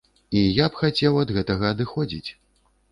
І я б хацеў ад гэтага адыходзіць.